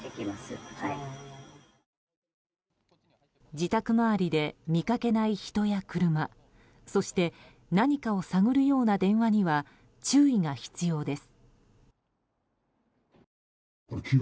自宅周りで見かけない人や車そして何かを探るような電話には注意が必要です。